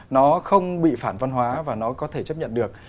nó không bị phản văn hóa và nó có thể chấp nhận được